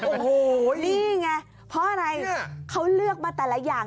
โอ้โหนี่ไงเพราะอะไรเขาเลือกมาแต่ละอย่าง